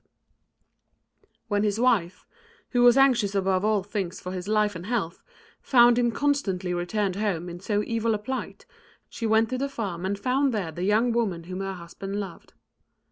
Ed. When his wife, who was anxious above all things for his life and health, found him constantly return home in so evil a plight, she went to the farm and found there the young woman whom her husband loved.